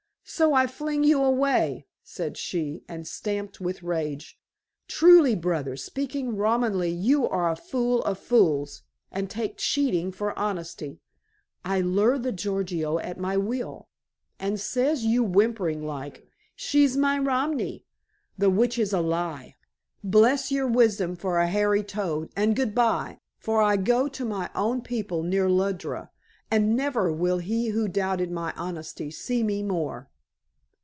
"So I fling you away," said she, and stamped with rage. "Truly, brother, speaking Romanly, you are a fool of fools, and take cheating for honesty. I lure the Gorgio at my will, and says you whimpering like, 'She's my romi,' the which is a lie. Bless your wisdom for a hairy toad, and good bye, for I go to my own people near Lundra, and never will he who doubted my honesty see me more."